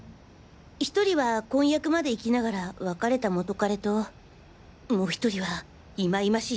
１人は婚約までいきながら別れた元カレともう１人は忌々しい